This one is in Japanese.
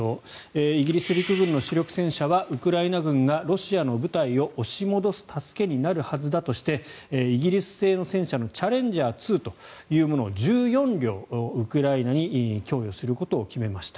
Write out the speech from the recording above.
イギリス陸軍の主力戦車はウクライナ軍がロシアの部隊を押し戻す助けになるはずだとしてイギリス製の戦車のチャレンジャー２を１４両ウクライナに供与することを決めました。